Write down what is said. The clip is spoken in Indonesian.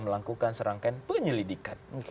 melakukan serangkaian penyelidikan